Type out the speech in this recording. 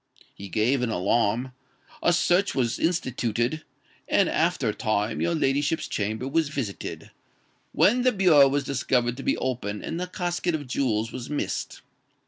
He gave an alarm: a search was instituted; and, after a time, your ladyship's chamber was visited, when the bureau was discovered to be open and the casket of jewels was missed.